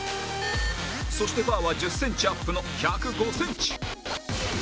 そしてバーは１０センチアップの１０５センチ